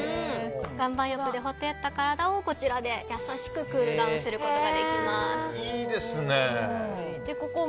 岩盤浴で、ほてった体をこちらで優しくクールダウンすることができます。